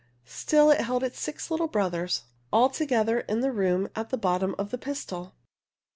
Still it held six little brothers, all together in the room at the bottom of the pistil.